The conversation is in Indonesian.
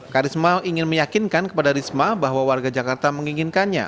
karisma ingin meyakinkan kepada risma bahwa warga jakarta menginginkannya